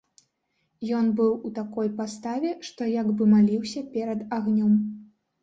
Ён быў у такой паставе, што як бы маліўся перад агнём.